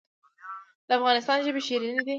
د افغانستان ژبې شیرینې دي